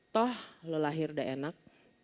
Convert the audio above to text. toh lo lahir udah enak